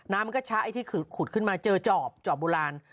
มันก็ชะไอ้ที่ขุดขึ้นมาเจอจอบจอบโบราณ